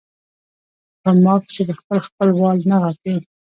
پۀ ما پسې د خپل خپل وال نه غاپي